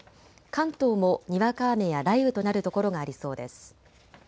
関東もにわか雨や雷雨となる所がありそうです。